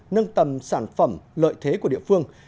nâng tầm sản phẩm lợi thế của địa phương